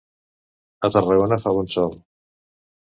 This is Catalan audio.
A Tarragona fa bon sol.